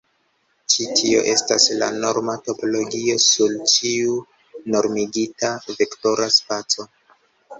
Ĉi tio estas la norma topologio sur ĉiu normigita vektora spaco.